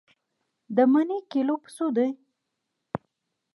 د مڼې کيلو په څو دی؟